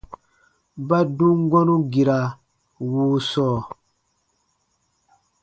Ba dum gɔ̃nu gira wuu sɔɔ.